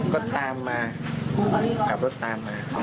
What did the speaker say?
ก็ตามมาขับรถตามมา